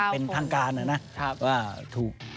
เป็นทางการนะนะว่าถูก